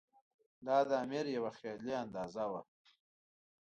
دا د امیر یوه خیالي اندازه وه.